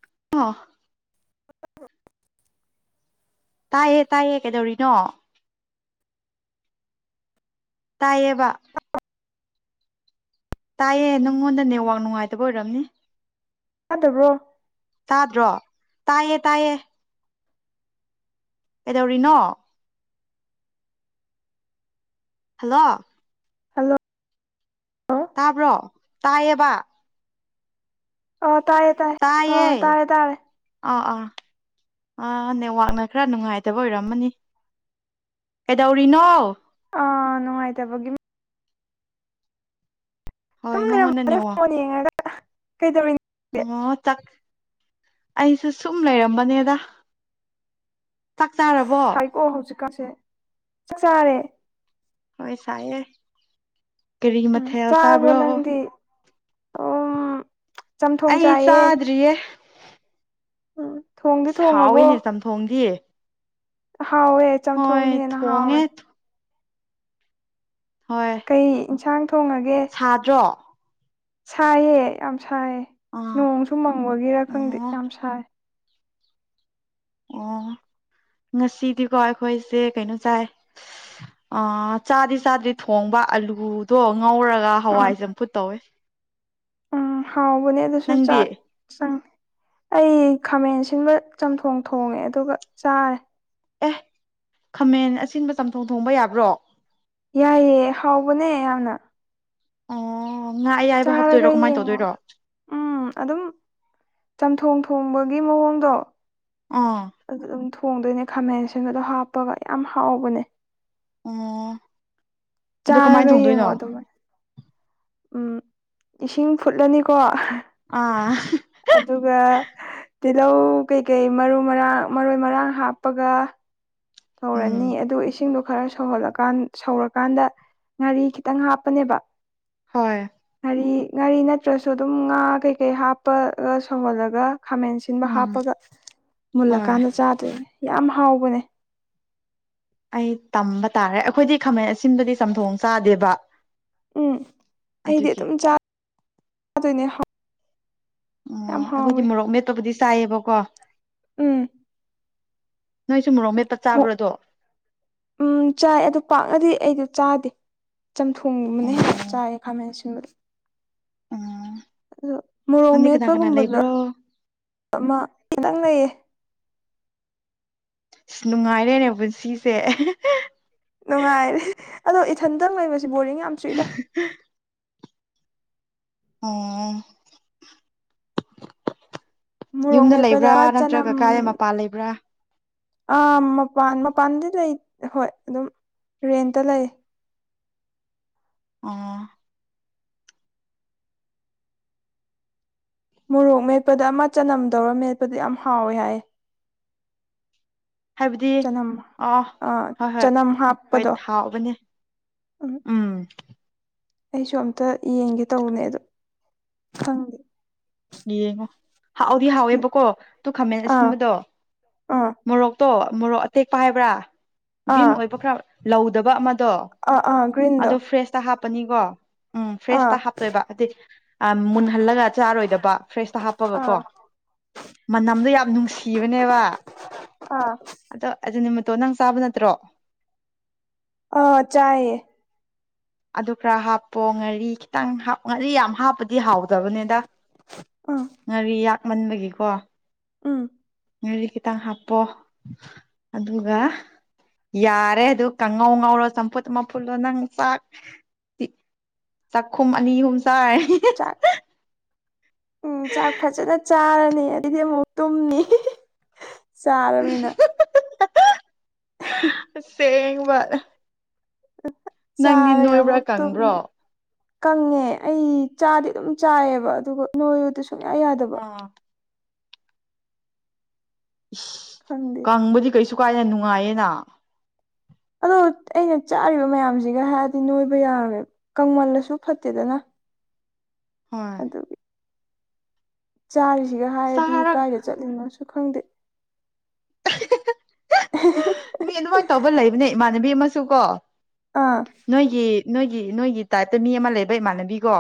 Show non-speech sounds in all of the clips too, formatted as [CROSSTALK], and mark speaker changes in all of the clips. Speaker 1: [UNINTELLIGIBLE]
Speaker 2: [UNINTELLIGIBLE]
Speaker 1: ꯇꯥꯏꯌꯦ ꯇꯥꯏꯌꯦ ꯀꯩꯗꯧꯔꯤꯅꯣ ꯇꯥꯏꯌꯦꯕ ꯇꯥꯏꯌꯦ ꯅꯪꯉꯣꯟꯗ ꯅꯦꯠꯋꯥꯛ ꯅꯨꯡꯉꯥꯏꯇꯕ ꯑꯣꯏꯔꯝꯅꯤ
Speaker 2: ꯇꯥꯗꯕ꯭ꯔꯣ
Speaker 1: ꯇꯥꯗ꯭ꯔꯣ ꯇꯥꯏꯌꯦ ꯇꯥꯏꯌꯦ ꯀꯩꯗꯧꯔꯤꯅꯣ ꯍꯜꯂꯣ
Speaker 2: ꯍꯜꯂꯣ
Speaker 1: ꯇꯥꯕ꯭ꯔꯣ ꯇꯥꯏꯌꯦꯕ
Speaker 2: ꯑ ꯇꯥꯔꯦ ꯇꯥꯔꯦ
Speaker 1: ꯇꯥꯏꯌꯦ
Speaker 2: ꯑ ꯇꯥꯔꯦ ꯇꯥꯔꯦ
Speaker 1: ꯑꯥ ꯑꯥ ꯑꯥ ꯅꯦꯋꯥꯛꯅ ꯈꯔ ꯅꯨꯡꯉꯥꯏꯇꯕ ꯑꯣꯏꯔꯝꯃꯅꯤ ꯀꯩꯗꯧꯔꯤꯅꯣ
Speaker 2: ꯑꯥ ꯅꯨꯡꯉꯥꯏꯇꯕꯒꯤ
Speaker 1: ꯍꯣꯏ
Speaker 2: ꯗꯨꯝ
Speaker 1: ꯅꯪꯉꯣꯟꯗ
Speaker 2: ꯂꯩꯔꯝꯕꯅꯦ
Speaker 1: ꯅꯦꯠꯋꯥꯛ
Speaker 2: ꯐꯣꯟ ꯌꯦꯡꯉꯒ ꯫ ꯀꯩꯗꯧꯔꯤꯅꯣ?
Speaker 1: ꯑꯣ ꯆꯛ ꯑꯩꯁꯨꯦ ꯁꯨꯝ ꯂꯩꯔꯝꯕꯅꯦꯗ ꯆꯥꯛ ꯆꯥꯔꯕꯣ
Speaker 2: ꯍꯥꯏꯔꯛꯑꯣ ꯆꯥꯛ ꯆꯥꯔꯦ
Speaker 1: ꯍꯣꯏ ꯁꯥꯏꯌꯦ ꯀꯔꯤ
Speaker 2: ꯎꯝ
Speaker 1: ꯃꯊꯦꯜ
Speaker 2: ꯆꯥꯔꯕꯣ
Speaker 1: ꯆꯥꯕ꯭ꯔꯣ
Speaker 2: ꯅꯪꯗꯤ ꯎꯝ ꯆꯝꯊꯣꯡ
Speaker 1: ꯑꯩ
Speaker 2: ꯆꯥꯏꯌꯦ
Speaker 1: ꯆꯥꯗ꯭ꯔꯤꯌꯦ
Speaker 2: ꯎꯝ ꯊꯣꯡꯗꯤ
Speaker 1: ꯑꯁ
Speaker 2: ꯊꯣꯡꯉꯕꯣ
Speaker 1: ꯍꯥꯎꯋꯦꯅꯦ ꯆꯝꯊꯣꯡꯗꯤ
Speaker 2: ꯍꯥꯎꯋꯦ
Speaker 1: ꯍꯣꯏ
Speaker 2: ꯆꯝꯊꯣꯡꯅ ꯍꯦꯟꯅ
Speaker 1: ꯊꯣꯡꯉꯦ
Speaker 2: ꯍꯥꯎꯔꯦ
Speaker 1: ꯍꯣꯏ
Speaker 2: ꯀꯩ ꯏꯟꯁꯥꯡ ꯊ
Speaker 1: ꯁꯥꯗ꯭ꯔꯣ
Speaker 2: ꯁꯥꯏꯌꯦ ꯌꯥꯝ ꯁꯥꯏꯌꯦ
Speaker 1: ꯑꯥ
Speaker 2: ꯅꯣꯡꯁꯨ ꯃꯪꯕꯒꯤꯔꯥ ꯈꯪꯗꯦ
Speaker 1: ꯑꯣ
Speaker 2: ꯌꯥꯝ ꯁꯥꯏ
Speaker 1: ꯑꯣ ꯉꯁꯤꯗꯤꯀꯣ ꯑꯩꯈꯣꯏꯁꯦ ꯀꯩꯅꯣ ꯆꯥꯏ ꯆꯥꯗꯤ ꯆꯥꯗ꯭ꯔꯤ ꯊꯣꯡꯕ ꯑꯥꯂꯨꯗꯣ ꯉꯧꯔꯒ
Speaker 2: ꯎꯝ
Speaker 1: ꯍꯋꯥꯏ ꯆꯝꯐꯨꯠ ꯇꯧꯋꯦ
Speaker 2: ꯎꯝ ꯍꯥꯎꯕꯅꯦ ꯑꯗꯨꯁꯨ
Speaker 1: ꯅꯪꯗꯤ
Speaker 2: ꯆꯥꯛ ꯆꯪꯉꯦ ꯑꯩ ꯈꯥꯃꯦꯟ ꯑꯁꯤꯟꯕ ꯆꯝꯊꯣꯡ ꯊꯣꯡꯉꯦ ꯑꯗꯨꯒ ꯆꯥꯔꯦ
Speaker 1: ꯑꯦ ꯈꯥꯃꯦꯟ ꯑꯁꯤꯟꯕ ꯆꯝꯊꯣꯡ ꯊꯣꯡꯕ ꯌꯥꯕ꯭ꯔꯣ
Speaker 2: ꯌꯥꯏꯑꯦ ꯍꯥꯎꯕꯅꯦ ꯌꯥꯝꯅ
Speaker 1: ꯑꯣ ꯉꯥ ꯑꯌꯥꯏꯕ
Speaker 2: ꯆꯥꯔꯒ
Speaker 1: ꯍꯥꯞꯇꯣꯏꯔꯣ ꯀꯃꯥꯏ
Speaker 2: ꯌꯦꯡꯉꯣ
Speaker 1: ꯇꯧꯗꯣꯏꯔꯣ
Speaker 2: ꯎꯝ ꯑꯗꯨꯝ ꯆꯝꯊꯣꯡ ꯊꯣꯡꯕꯒꯤ ꯃꯑꯣꯡꯗꯣ
Speaker 1: ꯑꯥ
Speaker 2: ꯑꯗ ꯑꯗꯨꯝ ꯊꯣ ꯊꯣꯡꯗꯣꯏꯅꯦ ꯈꯥꯃꯦꯟ ꯑꯁꯤꯟꯕꯗꯣ ꯍꯥꯞꯄꯒ ꯌꯥꯝ ꯍꯥꯎꯕꯅꯦ
Speaker 1: ꯑꯣ ꯑꯗꯨ ꯀꯃꯥꯏꯅ
Speaker 2: ꯆꯥꯔꯒ ꯌꯦꯡꯉꯣ
Speaker 1: ꯊꯣꯡꯗꯣꯏꯅꯣ
Speaker 2: ꯑꯗꯨꯃꯥꯏꯅ ꯎꯝ ꯏꯁꯤꯡ ꯐꯨꯠꯂꯅꯤꯀꯣ
Speaker 1: ꯑꯥ
Speaker 2: ꯑꯗꯨꯒ ꯇꯤꯜꯂꯧ ꯀꯩꯀꯩ ꯃꯔꯨ ꯃꯔꯥꯡ ꯃꯔꯣꯏ ꯃꯔꯥꯡ ꯍꯥꯞꯄꯒ ꯊꯧꯔꯅꯤ
Speaker 1: ꯎꯝ
Speaker 2: ꯑꯗꯨ ꯏꯁꯤꯡꯗꯣ ꯈꯔ ꯁꯧꯍꯜꯂꯀꯥꯟ ꯁꯧꯔꯀꯥꯟꯗ ꯉꯥꯔꯤ ꯈꯤꯇꯪ ꯍꯥꯞꯄꯅꯦꯕ
Speaker 1: ꯍꯣꯏ
Speaker 2: ꯉꯥꯔꯤ ꯉꯥꯔꯤ ꯅꯠꯇ꯭ꯔꯁꯨ ꯑꯗꯨꯝ ꯉꯥ ꯀꯩꯀꯩ ꯍꯥꯞꯄꯒ ꯁꯣꯝꯍꯜꯂꯒ ꯈꯥꯃꯦꯟ ꯁꯤꯟꯕ
Speaker 1: ꯎꯝ
Speaker 2: ꯍꯥꯞꯄꯒ
Speaker 1: ꯍꯣꯏ
Speaker 2: ꯃꯨꯜꯂꯀꯥꯟꯗ ꯆꯥꯗꯣꯏꯅꯦ ꯌꯥꯝ ꯍꯥꯎꯕꯅꯦ
Speaker 1: ꯑꯩ ꯇꯝꯕ ꯇꯥꯔꯦ ꯑꯩꯈꯣꯏꯗꯤ ꯈꯥꯃꯦꯟ ꯑꯁꯤꯟꯕꯗꯤ ꯆꯝꯊꯣꯡ ꯆꯥꯗꯦꯕ
Speaker 2: ꯎꯝ ꯑꯩꯗꯤ
Speaker 1: ꯑꯗꯨꯒꯤ
Speaker 2: ꯑꯗꯨꯝ ꯆꯗꯣꯏꯅꯦ
Speaker 1: ꯑꯣ ꯑꯩꯈꯣꯏꯗꯤ ꯃꯣꯔꯣꯛ ꯃꯦꯠꯄꯕꯨꯗꯤ ꯆꯥꯏꯌꯦꯕꯀꯣ
Speaker 2: ꯎꯝ
Speaker 1: ꯅ [INAUDIBLE]
Speaker 2: ꯎꯝ ꯆꯥꯏ ꯑꯗꯨ ꯄꯥꯛꯅꯗꯤ ꯑꯩꯗꯤ ꯆꯥꯗꯦ ꯆꯝꯊꯣꯡꯒꯕꯅꯦ
Speaker 1: ꯎꯝ
Speaker 2: ꯆꯥꯒ ꯈꯥꯃꯦꯟ ꯁꯤꯟꯕꯗ
Speaker 1: ꯎꯝ
Speaker 2: ꯑ ꯃꯣꯔꯣꯛ
Speaker 1: ꯅꯪꯗꯤ ꯀꯅꯥ ꯀꯅꯥ
Speaker 2: ꯃꯦꯠꯄꯒꯨꯝꯕꯗ
Speaker 1: ꯂꯩꯕ꯭ꯔꯣ
Speaker 2: ꯑꯃ ꯈꯤꯇꯪ ꯂꯩꯌꯦ
Speaker 1: ꯑꯁ ꯅꯨꯡꯉꯥꯏꯔꯦꯅꯦ ꯄꯨꯟꯁꯤꯁꯦ
Speaker 2: ꯅꯨꯡꯉꯥꯏꯔꯦ ꯑꯗꯣ ꯏꯊꯟꯇꯪ ꯂꯩꯕꯁꯤ ꯕꯣꯔꯤꯡ ꯌꯥꯝ ꯆꯨꯏꯗ
Speaker 1: ꯑꯣꯝ
Speaker 2: ꯃꯣꯔꯣꯛ
Speaker 1: ꯌꯨꯝꯗ
Speaker 2: ꯃꯦꯠꯄꯗ
Speaker 1: ꯂꯩꯕ꯭ꯔꯥ
Speaker 2: ꯑꯃ
Speaker 1: ꯅꯠꯇ꯭ꯔꯒ ꯀꯀꯥꯗ ꯃꯄꯥꯟ ꯂꯩꯕ꯭ꯔꯥ
Speaker 2: ꯑ ꯃꯄꯥꯟ ꯃꯄꯥꯟꯗꯤ ꯂꯩ ꯍꯣꯏ ꯑꯗꯨꯝ ꯔꯦꯟꯇ ꯂꯩ
Speaker 1: ꯑ [INAUDIBLE]
Speaker 2: ꯃꯣꯔꯣꯛ ꯃꯦꯠꯄꯗ ꯑꯃ ꯆꯅꯝꯗꯧꯔ ꯃꯦꯠꯄꯗ ꯌꯥꯝ ꯍꯥꯎꯏꯦ ꯍꯥꯏ
Speaker 1: ꯍꯥꯏꯕꯗꯤ
Speaker 2: ꯆꯅꯝ
Speaker 1: ꯑꯥ ꯍꯣꯏ ꯍꯣꯏ
Speaker 2: ꯆꯅꯝ
Speaker 1: ꯍꯣꯏ
Speaker 2: ꯍꯥꯞꯄꯗꯣ
Speaker 1: ꯊꯥꯎꯕꯅꯦ ꯎꯝ
Speaker 2: ꯑꯩꯁꯨ ꯑꯝꯇ ꯌꯦꯡꯒꯦ ꯇꯧꯕꯅꯦ ꯑꯗꯣ ꯈꯪꯗꯦ
Speaker 1: ꯌꯦꯌꯦꯒ [INAUDIBLE] ꯍꯥꯎꯥꯎꯗꯤ
Speaker 2: ꯎꯝ
Speaker 1: ꯍꯥꯎꯋꯦꯕꯀꯣ ꯑꯗꯨ ꯈꯥꯃꯦꯟ
Speaker 2: ꯑꯥ
Speaker 1: ꯑꯁꯤꯟꯕꯗꯣ
Speaker 2: ꯑꯥ
Speaker 1: ꯃꯣꯔꯣꯛꯇꯣ ꯃꯣꯔꯣꯛ ꯑꯇꯦꯛꯄ ꯍꯥꯏꯕ꯭ꯔꯥ ꯒ꯭ꯔꯤꯟ
Speaker 2: ꯑꯥ
Speaker 1: ꯑꯣꯏꯕ ꯈꯔ ꯂꯧꯗꯕ ꯑꯃ
Speaker 2: ꯑꯥ ꯑꯥ ꯒ꯭ꯔꯤꯟꯗꯣ
Speaker 1: ꯑꯗꯨ ꯐ꯭ꯔꯦꯖꯇ ꯍꯥ ꯍꯥꯅꯤꯣ ꯎꯝ
Speaker 2: ꯑꯥ
Speaker 1: ꯐ꯭ꯔꯦꯁꯇ ꯍꯥꯞꯇꯣꯏꯕ ꯍꯥꯏ ꯃꯨꯟꯍꯜꯂꯒ ꯆꯥꯔꯣꯏꯗꯕ
Speaker 2: ꯑꯥ
Speaker 1: ꯃ [INAUDIBLE] ꯌꯥꯝ ꯅꯨꯡꯁꯤꯕꯅꯦꯕ
Speaker 2: ꯑꯥ
Speaker 1: ꯑꯗꯣ ꯑꯗꯨ ꯑꯇꯣ ꯅꯪ ꯆꯥꯕ ꯅꯠꯇ꯭ꯔꯣ
Speaker 2: ꯑ ꯆꯌꯦꯌꯦ [INAUDIBLE]
Speaker 1: ꯑꯗꯨ ꯈꯔ ꯍꯥꯞꯄꯣ ꯉꯥꯔꯤ ꯈꯤꯇꯪ ꯉꯥꯔꯤ ꯌꯥꯝ ꯍꯥꯞꯄꯗꯤ ꯍꯥꯎꯗꯕꯅꯤꯗ
Speaker 2: ꯎꯝ
Speaker 1: ꯉꯥꯔꯤ ꯌꯥꯛꯃꯟꯕꯒꯤꯀꯣ
Speaker 2: ꯎꯝ
Speaker 1: ꯉꯥꯔꯤ ꯈꯤꯇꯪ ꯍꯥꯞꯄꯣ ꯑꯗꯨꯒ ꯌꯥꯔꯦ ꯑꯗꯨ ꯀꯥꯡꯉꯧ ꯉꯧꯔꯣ ꯆꯝꯐꯨꯠ ꯃꯝꯐꯨꯠꯂꯣ ꯅꯪ ꯆꯥꯛ ꯆꯥꯛꯈꯨꯝ ꯑꯅꯤ ꯑꯍꯨꯝ ꯁꯥꯏ
Speaker 2: ꯆꯥꯛ [INAUDIBLE] ꯎꯝ ꯆꯥꯛ ꯐꯖꯅ ꯆꯥꯔꯅꯤ ꯑꯗꯨꯏꯗꯤ ꯑꯃꯨꯛ ꯇꯨꯝꯅꯤ ꯆꯥꯔꯕꯔꯕꯃꯤꯅ
Speaker 1: ꯁꯦꯡ ꯃꯥ ꯅꯪꯗꯤ
Speaker 2: ꯆꯥꯔꯒ
Speaker 1: ꯅꯣꯏꯕ꯭ꯔꯥ
Speaker 2: ꯑꯃꯨꯛ ꯇꯨꯝ
Speaker 1: ꯀꯪꯕ꯭ꯔꯣ
Speaker 2: ꯀꯪꯉꯦ ꯑꯩ ꯆꯥꯗꯤ ꯑꯗꯨꯝ ꯆꯥꯏꯑꯕ ꯑꯗꯨꯒ ꯅꯣꯏꯔꯨꯗ ꯁꯨꯡꯌꯥ ꯌꯥꯗꯕ
Speaker 1: ꯑꯥ ꯏꯁ
Speaker 2: ꯈꯪꯗꯦ
Speaker 1: ꯀꯪꯕꯨꯗꯤ ꯀꯩꯁꯨ ꯀꯥꯏꯅ ꯅꯨꯡꯉꯥꯏꯌꯦꯅ
Speaker 2: ꯑꯗꯨ ꯑꯩꯅ ꯆꯥꯔꯤꯕ ꯃꯌꯥꯝꯁꯤꯒ ꯍꯥꯏꯔꯗꯤ ꯅꯣꯏꯕ ꯌꯥꯔꯔꯣꯏꯕ ꯀꯪꯃꯜꯂꯁꯨ ꯐꯠꯇꯦꯗꯅ
Speaker 1: ꯍꯣꯏ [INAUDIBLE]
Speaker 2: ꯑꯗꯨꯒꯤ ꯆꯥꯔꯤꯁꯤꯒ ꯍꯥꯏꯔꯗꯤ
Speaker 1: ꯆꯥꯔꯒ
Speaker 2: ꯀꯥꯏꯗ ꯆꯠꯂꯤꯅꯣꯁꯨ ꯈꯪꯗꯦ
Speaker 1: [UNINTELLIGIBLE] [INAUDIBLE]
Speaker 2: ꯑꯦ ꯍꯦ ꯍꯦꯍꯦ
Speaker 1: ꯃꯤ ꯑꯗꯨꯃꯥꯏꯟ ꯇꯧꯕ ꯂꯩꯕꯅꯦ ꯏꯃꯥꯟꯅꯕꯤ ꯑꯃꯁꯨ ꯀꯣ
Speaker 2: ꯑꯥ
Speaker 1: ꯅꯣꯏꯒꯤ ꯅꯣꯏꯒꯤ ꯅꯣꯏꯒꯤ ꯇꯥꯏꯞꯇ ꯃꯤ ꯑꯃ ꯂꯩꯕ ꯏꯃꯥꯟꯅꯕꯤꯀꯣ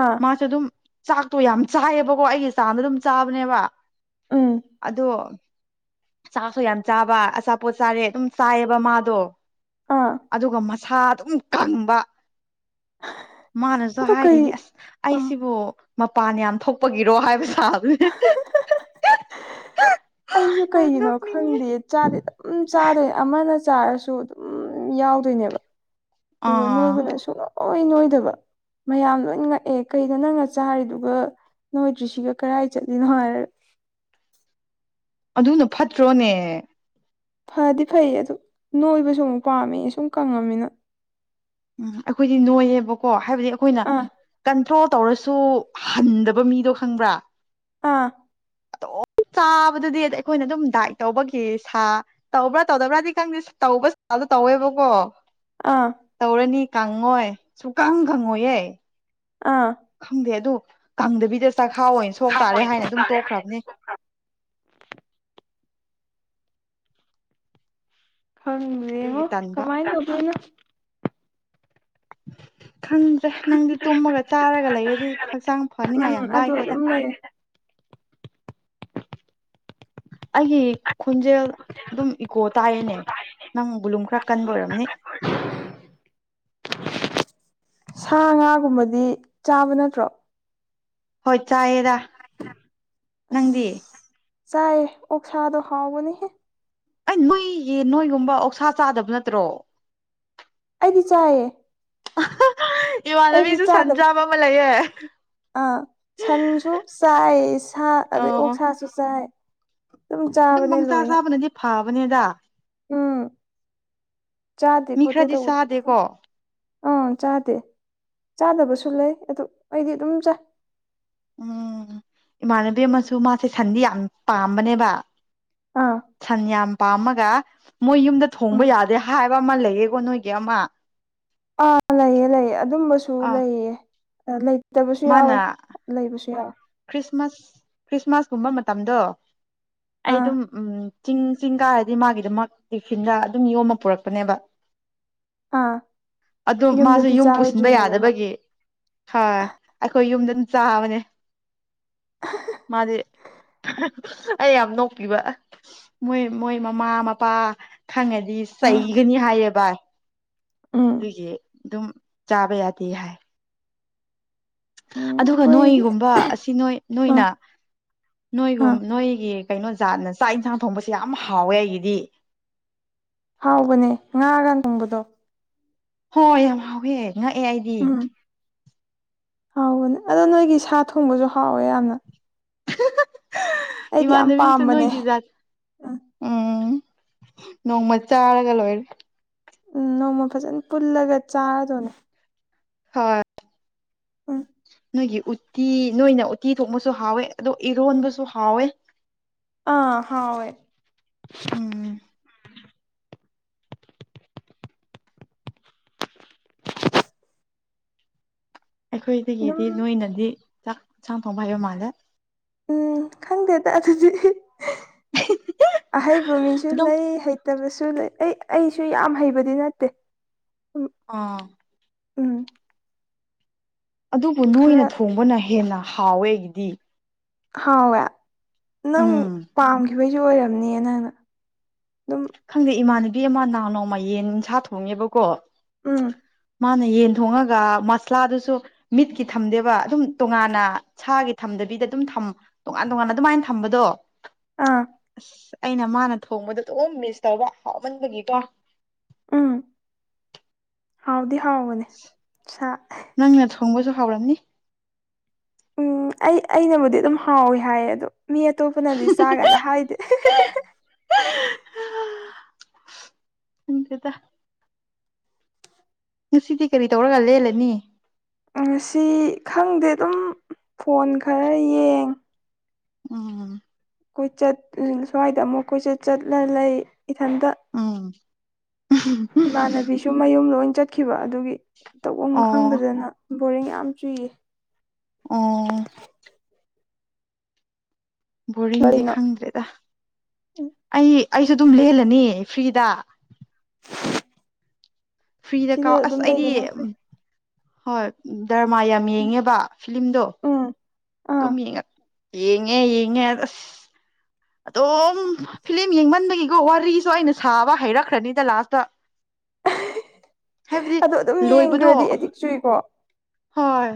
Speaker 2: ꯑꯥ
Speaker 1: ꯃꯥꯁꯨ ꯑꯗꯨꯝ ꯆꯥꯛꯇꯣ ꯌꯥꯝ ꯆꯥꯏꯌꯦꯕꯀꯣ ꯑꯩꯒꯤ ꯆꯥꯝꯗ ꯑꯗꯨꯝ ꯆꯥꯕꯅꯦꯕ
Speaker 2: ꯎꯝ
Speaker 1: ꯑꯗꯣ ꯆꯥꯛꯁꯨ ꯌꯥꯝ ꯆꯥꯕ ꯑꯆꯥꯄꯣꯠ ꯆꯥꯔꯦ ꯑꯗꯨꯝ ꯆꯥꯏꯌꯦꯕ ꯃꯥꯗꯣ
Speaker 2: ꯑꯥ
Speaker 1: ꯑꯗꯨꯒ ꯃꯁꯥ ꯑꯗꯨꯝ ꯀꯪꯕ ꯃꯥꯅꯁꯨ
Speaker 2: ꯑꯗꯨ ꯀꯩ
Speaker 1: ꯍꯥꯏꯔꯤꯅꯤ ꯑꯁ
Speaker 2: ꯑꯥ
Speaker 1: ꯑꯩꯁꯤꯕꯨ ꯃꯄꯥꯟ ꯌꯥꯝ ꯊꯣꯛꯄꯒꯤꯔꯣ ꯍꯥꯏꯕ ꯁꯥꯥꯕꯦ
Speaker 2: ꯑꯩꯁꯨ ꯀꯩꯒꯤꯅꯣ ꯈꯪꯗꯦ ꯆꯥꯗꯤ ꯑꯗꯨꯝ ꯆꯥꯗꯣꯏ ꯑꯃꯅ ꯆꯥꯔꯁꯨ ꯑꯗꯨꯝ ꯌꯥꯎꯗꯣꯏꯅꯦꯕ ꯑꯗꯨꯒ
Speaker 1: ꯑꯥ
Speaker 2: ꯅꯣꯏꯕꯨꯅ ꯁꯨꯛꯅꯣ ꯍꯣꯏ ꯅꯣꯏꯗꯕ ꯃꯌꯥꯝ ꯂꯣꯏ ꯉꯛꯑꯦ ꯀꯩꯗ ꯅꯪꯅ ꯆꯥꯔꯤꯗꯨꯒ ꯅꯣꯏꯗ꯭ꯔꯤꯁꯤꯒ ꯀꯔꯥꯏ ꯆꯠꯂꯤꯅꯣ ꯍꯥꯏꯔ
Speaker 1: ꯑꯗꯨꯅ ꯐꯠꯇ꯭ꯔꯣꯅꯦ
Speaker 2: ꯐꯗꯤ ꯐꯩꯌꯦ ꯑꯗꯨ ꯅꯣꯏꯕꯁꯨ ꯑꯃꯨꯛ ꯄꯥꯝꯃꯦ ꯁꯨꯝ ꯀꯪꯉꯃꯤꯅ
Speaker 1: ꯎꯝ ꯑꯩꯈꯣꯏꯗꯤ ꯅꯣꯏꯌꯦꯕꯀꯣ ꯍꯥꯏꯕꯗꯤ ꯑꯈꯣꯏꯅ
Speaker 2: ꯑꯥ
Speaker 1: ꯀꯟꯇ꯭ꯔꯣꯜ ꯇꯧꯔꯁꯨ ꯍꯟꯗꯕ ꯃꯤꯗꯣ ꯈꯪꯕ꯭ꯔꯥ
Speaker 2: ꯑꯥ
Speaker 1: ꯑꯗꯣ ꯆꯥꯕꯗꯨꯗꯤ ꯑꯗ ꯑꯩꯈꯣꯏꯅ ꯑꯗꯨꯝ ꯗꯥꯏꯠ ꯇꯧꯕꯒꯤ ꯁꯥ ꯇꯧꯕ꯭ꯔꯥ ꯇꯧꯗꯕ꯭ꯔꯗꯤ ꯈꯪꯗꯦ ꯇꯧꯕ ꯁꯗ ꯇꯧꯋꯦꯕꯀꯣ
Speaker 2: ꯑꯥ
Speaker 1: ꯇꯧꯔꯅꯤ ꯀꯪꯉꯣꯏ ꯁꯨꯀꯪ ꯀꯪꯉꯣꯏꯌꯦ
Speaker 2: ꯑꯥ
Speaker 1: ꯈꯪꯗꯦ ꯑꯗꯨ ꯀꯪꯗꯕꯤ ꯆꯈꯥꯎ ꯑꯣꯏꯅ ꯁꯣꯛ ꯇꯥꯔꯦ ꯍꯥꯏꯅ ꯑꯗꯨꯝ ꯇꯣꯛꯈ꯭ꯔꯝꯅꯦ
Speaker 2: ꯈꯪꯗꯦꯉꯣ
Speaker 1: ꯑꯗꯨꯒꯤ ꯇꯟꯕ
Speaker 2: ꯀꯃꯥꯏꯟ ꯇꯧꯗꯣꯏꯅꯣ
Speaker 1: ꯈꯪꯗ꯭ꯔꯦ ꯅꯪꯗꯤ ꯇꯨꯝꯃꯒ ꯆꯥꯔꯒ ꯂꯩꯔꯗꯤ ꯐꯆꯥꯡ ꯐꯅꯤꯉꯥꯏ
Speaker 2: ꯎꯝ
Speaker 1: ꯌꯥꯝ
Speaker 2: ꯑꯗꯨ
Speaker 1: ꯂꯥꯏꯈ꯭ꯔꯦꯗ
Speaker 2: ꯑꯗꯨꯝ ꯂꯩꯔꯦ
Speaker 1: ꯑꯩꯒꯤ ꯈꯣꯟꯖꯦꯜ ꯑꯗꯨꯝ ꯏꯀꯣ ꯇꯥꯏꯌꯦꯅꯦ ꯅꯪ ꯕꯨꯂꯨꯝ ꯈꯔ ꯀꯟꯕ ꯑꯣꯏꯔꯝꯅꯤ
Speaker 2: [UNINTELLIGIBLE] ꯁꯥ ꯉꯥꯒꯨꯝꯕꯗꯤ ꯆꯥꯕ ꯅꯠꯇ꯭ꯔꯣ
Speaker 1: ꯍꯣꯏ ꯆꯥꯏꯌꯦꯔ ꯅꯪꯗꯤ
Speaker 2: ꯆꯥꯏ ꯑꯣꯛꯁꯥꯗꯣ ꯍꯥꯎꯕꯅꯤꯍꯦ
Speaker 1: ꯑꯩ ꯃꯩꯒꯤ ꯅꯣꯏꯒꯨꯝꯕ ꯑꯣꯛꯁꯥ ꯆꯥꯗꯕ ꯅꯠꯇ꯭ꯔꯣ
Speaker 2: ꯑꯩꯗꯤ ꯆꯥꯏꯌꯦ ꯑꯩꯗꯤ
Speaker 1: ꯏꯋꯥꯅꯕꯤꯁꯨ ꯁꯟ
Speaker 2: ꯆꯥꯗꯕ
Speaker 1: ꯆꯕꯥ ꯑꯃ ꯂꯩꯌꯦ
Speaker 2: ꯑꯥ ꯁꯟꯁꯨ ꯆꯥꯏ ꯁꯥ ꯑꯗꯩ ꯑꯣꯛ
Speaker 1: ꯑ
Speaker 2: ꯁꯥꯁꯨ ꯆꯥꯏ
Speaker 1: ꯑꯗꯨꯝ
Speaker 2: ꯆꯥꯕꯅꯦ
Speaker 1: ꯃꯪꯆꯥ
Speaker 2: ꯂꯣꯏꯅ
Speaker 1: ꯆꯥꯕꯅꯗꯤ ꯐꯕꯅꯦꯗ
Speaker 2: ꯎꯝ ꯆꯥꯗꯦ
Speaker 1: ꯃꯤ
Speaker 2: ꯈꯣꯠꯇꯦ
Speaker 1: ꯈꯔꯗꯤ
Speaker 2: ꯇꯧꯕꯗꯨ
Speaker 1: ꯆꯥꯗꯦꯀꯣ
Speaker 2: ꯑꯥ ꯆꯥꯗꯦ ꯆꯥꯗꯕꯁꯨ ꯂꯩ ꯑꯗꯨ ꯑꯩꯗꯤ ꯑꯗꯨꯝ ꯆꯥꯏ
Speaker 1: ꯎꯝ ꯏꯃꯥꯟꯅꯕꯤ ꯑꯃꯁꯨ ꯃꯥꯁꯦ ꯁꯟꯗꯤ ꯌꯥꯝ ꯄꯥꯝꯕꯅꯦꯕ
Speaker 2: ꯑꯥ
Speaker 1: ꯁꯟ ꯌꯥꯝ ꯄꯥꯝꯃꯒ ꯃꯣꯏ ꯌꯨꯝꯗ ꯊꯣꯡꯕ
Speaker 2: ꯎꯝ
Speaker 1: ꯌꯥꯗꯦ ꯍꯥꯏꯕ ꯑꯃ ꯂꯩꯌꯦ ꯀꯣ ꯅꯣꯏꯒꯤ ꯑꯃꯥ
Speaker 2: ꯑꯥ ꯂꯩꯌꯦ ꯂꯩꯌ ꯑꯗꯨꯝꯕꯁꯨ
Speaker 1: ꯑꯥ
Speaker 2: ꯂꯩꯌꯦ ꯑ ꯂꯩ ꯇꯕꯁꯨ ꯌꯥꯎꯋꯦ ꯂꯩꯕꯁꯨ ꯌꯥꯎꯋꯦ
Speaker 1: ꯈ꯭ꯔꯤꯁꯃꯁ ꯈ꯭ꯔꯤꯁꯃꯥꯁ ꯀꯨꯝꯕ ꯃꯇꯝꯗꯣ ꯑꯩ
Speaker 2: ꯑꯥ
Speaker 1: ꯗꯨꯝ ꯎꯝ ꯆꯤꯡ ꯆꯤꯡ ꯀꯥꯔꯗꯤ ꯃꯥꯒꯤꯗꯃꯛ ꯇꯦꯛꯁꯤꯟꯅ ꯑꯗꯨꯝ ꯌꯣꯝꯃ ꯄꯨꯔꯛꯄꯅꯦꯕ
Speaker 2: ꯑꯥ
Speaker 1: ꯑꯗꯨ ꯃꯥꯁꯦ
Speaker 2: ꯌꯨꯝꯗꯗꯤ
Speaker 1: ꯌꯨꯝ ꯄꯨꯁꯤꯟꯕ
Speaker 2: ꯆꯥꯔꯣꯏꯗ꯭ꯔꯤꯅꯦꯕ ꯃꯥ
Speaker 1: ꯌꯥꯗꯕꯒꯤ ꯍꯥ ꯑꯩꯈꯣꯏ ꯌꯨꯝꯗ ꯗꯨꯝ ꯆꯥꯕꯅꯦ ꯃꯥꯗꯤ ꯑꯩ ꯌꯥꯝ ꯅꯣꯛꯄꯤꯕ ꯃꯣꯏ ꯃꯣꯏ ꯃꯃꯥ ꯃꯄꯥ ꯈꯪꯉꯗꯤ
Speaker 2: ꯑꯥ
Speaker 1: ꯆꯩꯒꯅꯤ ꯍꯥꯏꯌꯦꯕ
Speaker 2: ꯎꯝ
Speaker 1: ꯑꯗꯨꯏꯒꯤ ꯑꯗꯨꯝ ꯆꯥꯕ ꯌꯥ ꯄꯤ ꯍꯥꯏ
Speaker 2: ꯎꯝ
Speaker 1: ꯑꯗꯨꯒ
Speaker 2: ꯑꯩꯈꯣꯏꯒꯤ
Speaker 1: ꯅꯣꯏꯒꯨꯝꯕ ꯑꯁꯤ ꯅꯣꯏ
Speaker 2: ꯑꯥ
Speaker 1: ꯅꯣꯏꯅ
Speaker 2: ꯑꯥ
Speaker 1: ꯅꯣꯏꯒꯨꯝ ꯅꯣꯏꯒꯤ ꯀꯩꯅꯣ ꯖꯥꯠꯅ ꯆꯥꯛ ꯌꯦꯟꯁꯥꯡ ꯊꯣꯡꯕꯁꯦ ꯌꯥꯝ ꯍꯥꯎꯋꯦ ꯑꯩꯒꯤꯗꯤ
Speaker 2: ꯍꯥꯎꯕꯅꯦ ꯉꯥꯒ ꯊꯣꯡꯕꯗꯣ
Speaker 1: ꯍꯣꯏ ꯌꯥꯝ ꯍꯥꯎꯋꯦ ꯉꯛꯑꯦ ꯑꯩꯗꯤ
Speaker 2: ꯍꯥꯎꯕꯅꯤ ꯑꯗꯣ ꯅꯣꯏꯒꯤ ꯁꯥ ꯊꯣꯡꯕꯁꯨ ꯍꯥꯎꯋꯦ ꯌꯥꯝꯅ ꯑꯩꯗꯤ ꯌꯥꯝ
Speaker 1: ꯏꯃꯥꯟꯅꯕꯤꯁꯨ
Speaker 2: ꯄꯥꯝꯕꯅꯦ
Speaker 1: ꯅꯣꯏꯒꯤꯖꯥꯠ
Speaker 2: ꯎꯝ
Speaker 1: ꯎꯝ ꯅꯣꯡꯃ ꯆꯥꯔꯒ ꯂꯣꯏꯔꯦ
Speaker 2: ꯎꯝ ꯅꯣꯡꯃ ꯐꯖꯅ ꯄꯨꯜꯂꯒ ꯆꯥꯔꯗꯣꯏꯅꯦ
Speaker 1: ꯍꯣꯏ
Speaker 2: ꯎꯝ
Speaker 1: ꯅꯣꯏꯒꯤ ꯎꯠꯇꯤ ꯅꯣꯏꯅ ꯎꯇꯤ ꯊꯣꯡꯃꯁꯨ ꯍꯥꯎꯋꯦ ꯑꯗꯣ ꯏꯔꯣꯟꯕꯁꯨ ꯍꯥꯎꯋꯦ
Speaker 2: ꯑꯥ ꯍꯥꯎꯏ
Speaker 1: ꯎꯝ
Speaker 2: ꯑꯗꯨꯝ
Speaker 1: ꯑꯩꯈꯣꯏꯗꯒꯤꯗꯤ ꯅꯣꯏꯅꯗꯤ ꯆꯥꯛ ꯍꯛꯁꯥꯡ ꯐꯣꯡꯕ ꯍꯥꯏꯕ ꯃꯥꯜꯂꯦ
Speaker 2: ꯎꯝ ꯈꯪꯗꯦ ꯇ ꯑꯗꯨꯗꯤ ꯑꯍꯩꯕ ꯃꯤꯁꯨ
Speaker 1: ꯑꯗꯨꯝ
Speaker 2: ꯂꯩ ꯍꯩꯇꯕꯁꯨ ꯂꯩ ꯑꯩ ꯑꯩꯁꯨ ꯌꯥꯝ ꯍꯩꯕꯗꯤ ꯅꯠꯇꯦ ꯎꯝ
Speaker 1: ꯑꯥ
Speaker 2: ꯎꯝ
Speaker 1: ꯑꯗꯨꯕꯨ ꯅꯣꯏꯅ
Speaker 2: ꯈꯔ
Speaker 1: ꯊꯣꯡꯕꯅ ꯍꯦꯟꯅ ꯍꯥꯎꯋꯦꯒꯤꯗꯤ
Speaker 2: ꯍꯥꯎꯋꯦ ꯅꯪ ꯄꯥꯝꯈꯤꯕꯩꯁꯨ ꯑꯣꯏꯔꯝꯅꯦ ꯅꯪꯅꯝ
Speaker 1: ꯈꯪꯗꯦ ꯏꯃꯥꯟꯅꯕꯤ ꯑꯃ ꯅꯅꯥꯎ ꯅꯣꯡꯃ ꯌꯦꯟ ꯏꯟꯁꯥ ꯊꯣꯡꯉꯦꯕꯀꯣ
Speaker 2: ꯎꯝ
Speaker 1: ꯃꯥꯅ ꯌꯦꯟ ꯊꯣꯡꯉꯒ ꯃꯁꯂꯥꯗꯨꯁꯨ ꯃꯤꯠꯀꯤ ꯊꯝꯗꯦꯕ ꯑꯗꯨꯝ ꯇꯣꯉꯥꯟꯅ ꯁꯥꯒꯤ ꯕꯤꯗ ꯑꯗꯨꯝ ꯊꯝ ꯇꯣꯉꯥꯟ ꯇꯣꯉꯥꯟꯅ ꯑꯗꯨꯃꯥꯏꯅ ꯊꯝꯕꯗꯣ
Speaker 2: ꯑꯥ
Speaker 1: ꯑꯁ ꯑꯩꯅ ꯃꯥꯅ ꯊꯣꯡꯕꯗ ꯑꯗꯨꯝ ꯃꯤꯁ ꯇꯧꯕ ꯍꯥꯎꯃꯟꯕꯒꯤꯀꯣ
Speaker 2: ꯎꯝ ꯍꯥꯎꯗꯤ ꯍꯥꯎꯒꯅꯦ
Speaker 1: ꯅꯪꯅ ꯊꯣꯡꯕꯁꯨ ꯈꯥꯎꯔꯝꯅꯤ
Speaker 2: ꯎꯝ ꯑꯩ ꯑꯩꯅꯕꯨꯗꯤ ꯑꯗꯨꯝ ꯍꯥꯎꯋꯤ ꯍꯥꯏꯌꯦ ꯑꯗꯣ ꯃꯤ ꯑꯇꯣꯞꯄꯅꯗꯤ ꯆꯥꯒꯗ ꯍꯥꯏꯗꯦ
Speaker 1: ꯎꯗꯦꯇꯥ ꯅꯨꯡꯁꯤꯗꯤ ꯀꯔꯤ ꯇꯧꯔꯒ ꯂꯦꯜꯂꯅꯤ
Speaker 2: ꯉꯁꯤ ꯈꯪꯗꯦ ꯑꯗꯨꯝ ꯐꯣꯟ ꯈꯔ ꯌꯦꯡ
Speaker 1: ꯎꯝ
Speaker 2: ꯀꯣꯏꯆꯠ ꯁ꯭ꯋꯥꯏꯗ ꯑꯃꯨꯛ ꯀꯣꯏꯆꯠ ꯆꯠꯂ ꯂꯩ ꯏꯊꯟꯇ
Speaker 1: ꯎꯝ
Speaker 2: ꯏꯃꯥꯟꯅꯕꯤꯁꯨ ꯃꯌꯨꯝ ꯂꯣꯏ ꯆꯠꯈꯤꯕ ꯑꯗꯨꯒꯤ ꯇꯧꯝ
Speaker 1: ꯑꯣ
Speaker 2: ꯈꯪꯗꯗꯅ ꯕꯣꯔꯤꯡ ꯌꯥꯝ ꯆꯨꯏꯌꯦ
Speaker 1: ꯑꯝ ꯕꯣꯔꯤꯡꯗꯤ
Speaker 2: ꯀꯔꯤꯅꯣ
Speaker 1: ꯈꯪꯗ꯭ꯔꯦꯗ
Speaker 2: ꯎꯝ,
Speaker 1: ꯑꯩ ꯑꯩꯁꯨ ꯑꯗꯨꯝ ꯂꯍꯂꯅꯤ ꯐ꯭ꯔꯤꯗ
Speaker 2: [UNINTELLIGIBLE]
Speaker 1: ꯐ꯭ꯔꯤꯗ
Speaker 2: ꯁꯤꯗ
Speaker 1: ꯀꯥꯎ
Speaker 2: ꯑꯗꯨꯝ
Speaker 1: ꯑꯁ ꯑꯩꯗꯤ
Speaker 2: ꯂꯩꯕꯅ ꯐꯩ
Speaker 1: ꯍꯣꯏ ꯗꯔꯃꯥ ꯌꯥꯝ ꯌꯦꯡꯉꯦꯕ ꯐꯤꯂꯤꯂꯝꯗꯣ
Speaker 2: ꯎꯝ ꯑꯥ
Speaker 1: ꯑꯗꯨꯝ ꯌꯦꯡꯉ ꯌꯦꯉꯦ ꯌꯦꯉ ꯑꯁ ꯑꯝ ꯐꯤꯂꯝ ꯌꯦꯡꯃꯟꯕꯒꯤꯀꯣ ꯋꯥꯔꯤꯁꯨ ꯑꯩꯅ ꯁꯥꯕ ꯍꯩꯔꯛꯈ꯭ꯔꯅꯤꯗ ꯂꯥꯁꯇ ꯍꯥꯏꯕꯗꯤ
Speaker 2: ꯑꯗꯣ ꯑꯗꯨꯝ
Speaker 1: ꯂꯣꯏꯕꯗꯣ
Speaker 2: ꯌꯦꯡꯈ꯭ꯔꯗꯤ ꯑꯦꯗꯤꯛ ꯆꯨꯏꯀꯣ
Speaker 1: ꯍꯣꯏ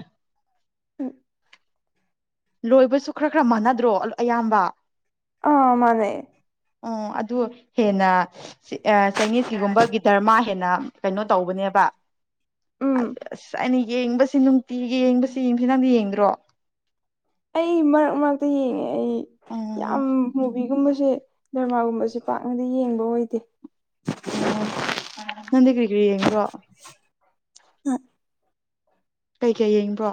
Speaker 2: ꯎꯝ
Speaker 1: ꯂꯣꯏꯕꯁꯨ ꯈꯔ ꯈꯔ ꯃꯥꯟꯅꯗ꯭ꯔꯣ ꯑꯌꯥꯝꯕ
Speaker 2: ꯑꯥ ꯃꯥꯅꯦ
Speaker 1: ꯑꯣ ꯑꯗꯨ ꯍꯦꯟꯅ ꯆꯥꯏꯅꯤꯁꯀꯤꯒꯨꯝꯕ ꯒꯤꯇꯔꯃꯥ ꯍꯦꯟꯅ ꯀꯩꯅꯣ ꯇꯧꯕꯅꯦꯕꯁ
Speaker 2: ꯎꯝ
Speaker 1: ꯍꯥꯏꯅꯤ ꯌꯦꯡꯕꯁꯤ ꯅꯨꯡꯇꯤ ꯌꯦꯡꯕꯁꯤ ꯌꯦꯡꯁꯤ ꯅꯪꯗꯤ ꯌꯦꯡꯗ꯭ꯔꯣ
Speaker 2: ꯑꯩ ꯃꯔꯛ ꯃꯔꯛꯇ ꯌꯦꯡꯉꯦ ꯑꯩ
Speaker 1: ꯑꯣ
Speaker 2: ꯌꯥꯝ ꯃꯨꯚꯒꯨꯝꯕꯁꯨ ꯁꯤꯦ ꯗꯔꯃꯥꯒꯨꯝꯕꯕꯁꯤꯦ ꯄꯥꯛꯅꯗꯤ ꯌꯦꯡꯕ ꯑꯣꯏꯗꯦ
Speaker 1: ꯑꯣ ꯅꯪꯗꯤ ꯀꯔꯤ ꯀꯔꯤ ꯌꯦꯡꯕ꯭ꯔꯣ
Speaker 2: ꯎꯝ
Speaker 1: ꯀꯩꯀꯩ ꯌꯦꯡꯕ꯭ꯔꯣ